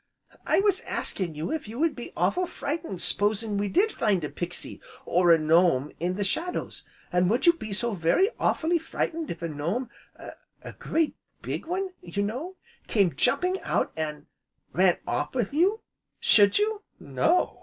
"I was asking you if you would be awful frightened s'posing we did find a pixie or a gnome, in the shadows; an' would you be so very awfully frightened if a gnome a great, big one, you know, came jumping out an' ran off with you, should you?" "No!"